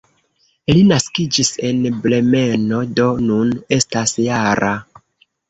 Li naskiĝis en Bremeno, do nun estas -jara.